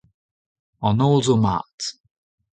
An holl zo mat.